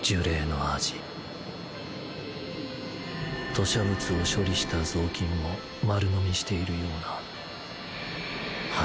吐しゃ物を処理した雑巾を丸飲みしているような。